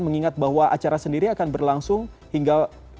mengingat bahwa acara sendiri akan berlangsung hingga dua puluh